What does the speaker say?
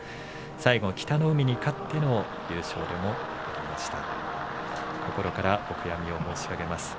最後北の湖に勝っての優勝でもありました。